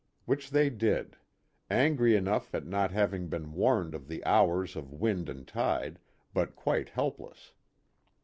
Which they did. Angry enough at not having been warned of the hours of wind and tide, but quite help less.